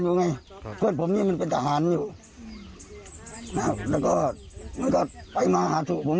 ไงครับเพื่อนผมนี่มันเป็นทหารอยู่นะครับแล้วก็มันก็ไปมาหาถูกผม